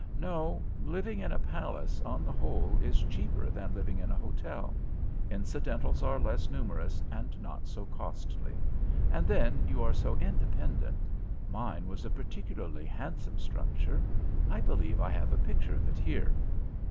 No, living in a palace, on the whole, is cheaper than living in a hotel; incidentals are less numerous and not so costly; and then you are so independent. Mine was a particularly handsome structure. I believe I have a picture of it here."